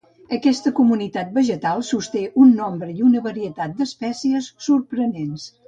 Aquesta comunitat vegetal sosté un nombre i una varietat d'espècies sorprenents.